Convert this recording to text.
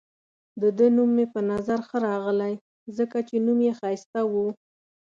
د ده نوم مې په نظر ښه راغلی، ځکه چې نوم يې ښایسته وو.